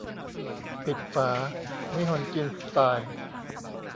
ปิดฝา นิฮนจิ้นสไตล์